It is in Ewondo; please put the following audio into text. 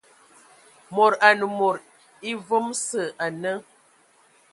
Mod anə mod evam sə ane..